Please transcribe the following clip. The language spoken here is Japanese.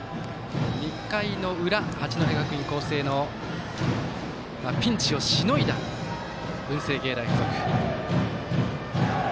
２回の裏、八戸学院光星のピンチをしのいだ文星芸大付属。